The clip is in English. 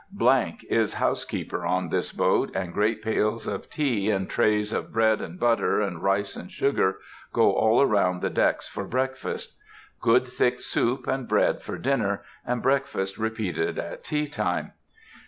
—— is housekeeper on this boat, and great pails of tea and trays of bread and butter, and rice and sugar, go all around the decks for breakfast. Good thick soup and bread for dinner, and breakfast repeated, at tea time.